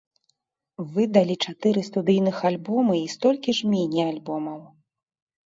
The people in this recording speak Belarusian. Выдалі чатыры студыйных альбомы і столькі ж міні-альбомаў.